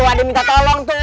tuh ada minta tolong tuh